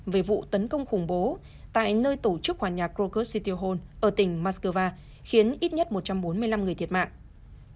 về vụ tấn công khủng bố tại nơi tổ chức hoàn nhạc krokus sitihol ở tỉnh moscow khiến ít nhất một trăm bốn mươi năm người thiệt mạng